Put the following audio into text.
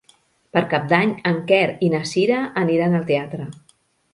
Per Cap d'Any en Quer i na Cira aniran al teatre.